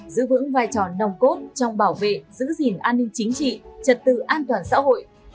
giữ vững vai trò nòng cốt trong bảo vệ giữ gìn an ninh chính trị trật tự an toàn xã hội